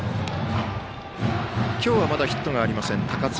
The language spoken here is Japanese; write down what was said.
今日はまだヒットがありません、高塚。